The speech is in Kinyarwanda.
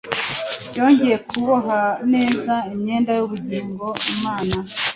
yongeye kuboha neza Imyenda yubugingo Imana